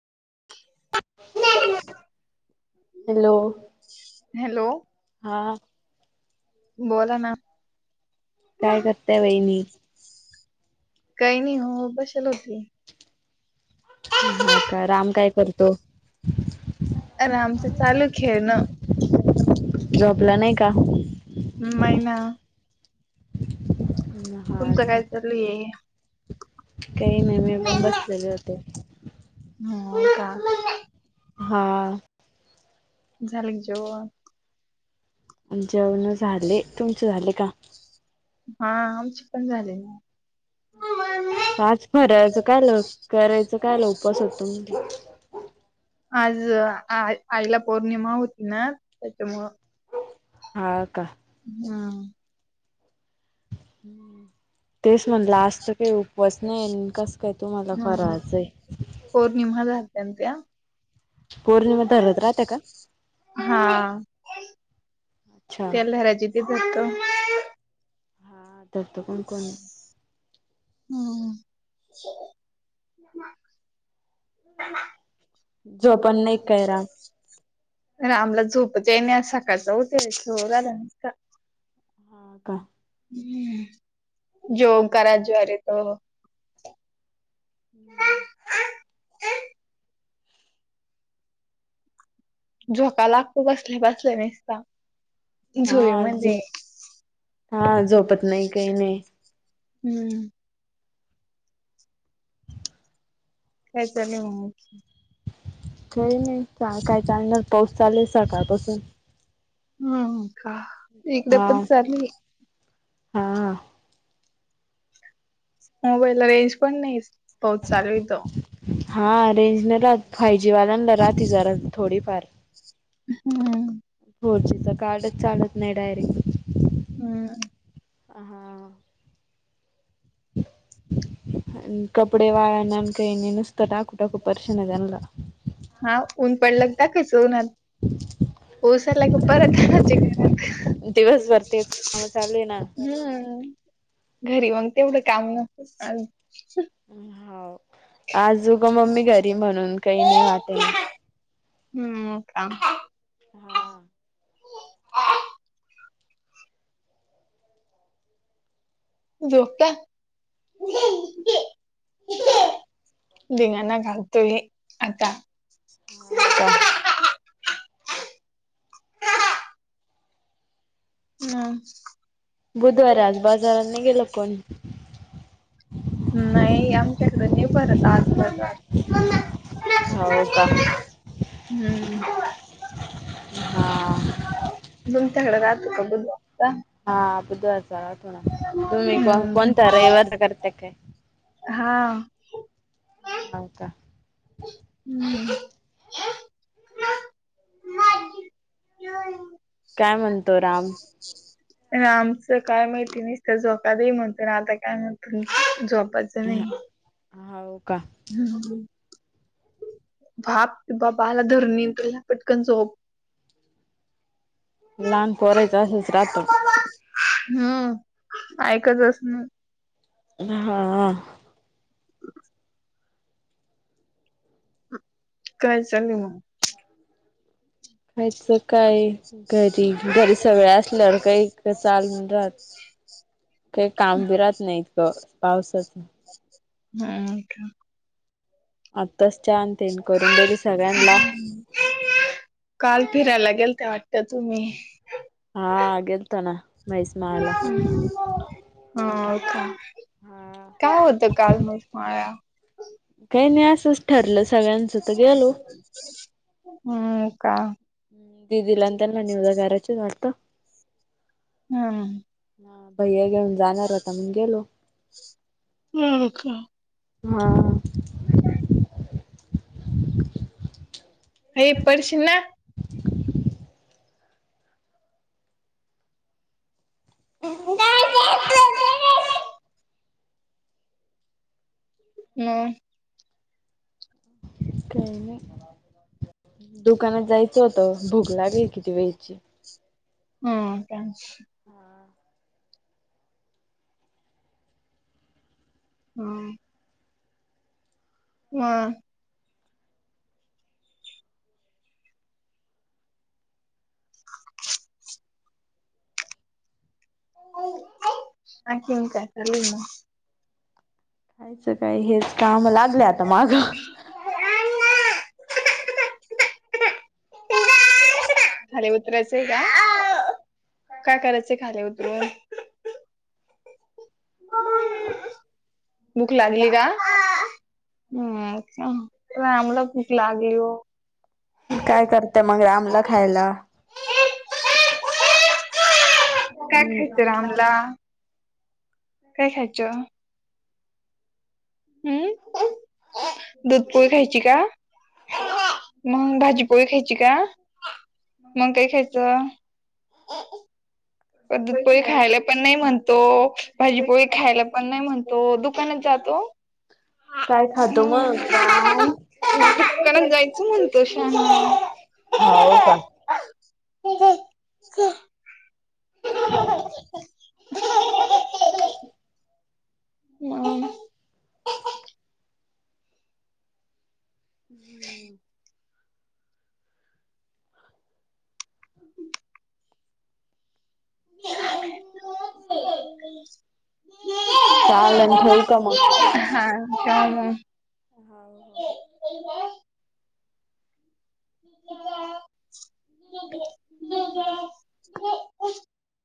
Hello hello हा! बोला ना. काय करताय वहिनी. काही नाही हो बशाल होते. हा का राम काय करतो? रामचं चालु खेळणं. झोपला नाही का? मैना. हा तुमचं का काय चालू आहे? काही नाही मी पण बसलेले होते. हो का! हा. झालं का जेवण. जेवणं झाले तुमचे झाले का? हा आमचे पण झाले. पाच फराळाचं काय लव करायचं काय ल करायचं काय ल उपास होतो. आज आ -आईला पौर्णिमा होती ना त्याच्यामुळं. हा का. हा. तेच म्हणलं आज त काही उपवास नाही, कस काय तुम्हाला हम्म फराळचय. पौर्णिमा राहत्या आमच्या. पौर्णिमा धरत राहते का हा, अच्छा त्याला धरायचे ते धरतो. हा धरतो पण कोण हम्म. जो पण नाही कयरा. रामला झोपच येईना सकाळचा उठले तो [unintelligible] हा का? जॉब करायचा अरे तो. हम्म! झोका लागतो बसले बसले निसता. हा झोईमध्ये झो हा झोपत नाही काही नाही. हम्म. [unintelligible] खरी नाही काय चालणार पाऊस चालेल सकाळपासून. हम्म, का इकडे हा पण चालीये. हा. मोबाईल ला रेंज पण नाही, पाऊस चालू आहेे इथं. हा रेंज न राह फाय जी वाल्यांना राहते जरा थोडीफार. हम्म. हो जिथ कार्डच चालत नाही डायरेक्ट. हम्म. अंहा ‌. आणि कपडे वाळानन काय नी नस. [unintelligible] हा ऊन पडलं दाखवूनाच पोऊस आला की परत [unintelligible] घरात. दिवसभर तेच काम चालू आहे ना. हम्म. घरी मंग तेवढं काम नसते. [unintelligible] हाव आजू गं मम्मी घरी म्हणून काही नाही वाटे ना. हम्म मग काम हा. झोपता धिंगाणा घालतोय आता. हाव का. मंग बुधवार आज बाजारा नाही गेलं कोण. नाही आमच्याकडे नाही भरत आज बाजार. हाव का. हम्म. हा. तुमच्याकडं राहतो. [unintelligible] हा बुधवारचा राहतो ना तुम्ही हम्म. कोणता रविवारचा करते काय हा. हाव का. हम्म हम्म. [unintelligible] काय म्हणतो राम? [inaudible] रामच काय माहिती निसत झोका दे म्हणतो आता काय म्हणतो झोपा चा नाही हाव का हम्म. भाप बाबा आला धरुनी तुला पटकन झोप. लहान पोरायचं असंच राहतं. हम्म ऐकच असणार. बे हा आ काय चाललय मग? खायच काय घरी घरी सगळे असल्यावर काही चाल राहत काही काम ब राहत नाही इतकं पावसाच. हम्म ठा आत्ताच चहा तेन करून दिली सगळ्यांना. काल फिरायला गेलत्या ते वाटतया तुम्ही. हा गेलतो ना महिसमाळला. हाव का हा काय होतं काल महिसामाळ्या? काही नाही असंच ठरलं सगळ्यांचं तर गेलो. हम् काय दीदीला आणि त्यांना [unintelligible] करायचे वाटतं. हां. हा भैया घेऊन जाणार होता मंग गेलो. हम्म [unintelligible] हा अय पडशील ना [inaudible] [unintelligible] काही नाही दुकानात जायचं होत भूक लागलीये किती वेळची हा का हम्म हा आणखीन काय चालू आहे मग? आमचं काय हेच कामं लागले आता माघ खाली उतरायचंय का? काय करायचंय खाली उतरून? भूक लागलीय का? हम का रामला भूक लागली ओ काय करत्या मग रामला खायला? काय खायचं रामला? काय खायचं? हम्म दूध पोळी खायची का? नाय मग भाजी पोळी खायची का? मग काय खायचं? पण दुधपोळी खायला पण नाही म्हणतो भाजीपोळी खायला पण नाही म्हणतो दुकानात जातो काय खातो मग हम्म राम? दुकानात जायचं म्हणतो शहाणा हो का [unintelligible] मम [unintelligible] [inaudible] [inaudible] [unintelligible] चालल ठेवू का मग? हा हा हाव. [unintelligible] [unintelligible]